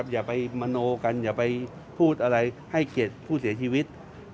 อย่าไปมโนกันอย่าไปพูดอะไรให้เกียรติผู้เสียชีวิต